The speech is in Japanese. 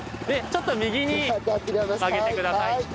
ちょっと右に上げてください。